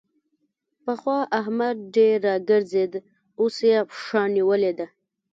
پخوا احمد ډېر راګرځېد؛ اوس يې پښه نيولې ده.